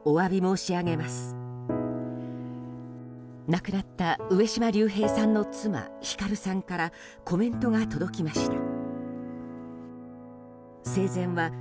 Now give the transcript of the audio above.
亡くなった上島竜兵さんの妻ひかるさんからコメントが届きました。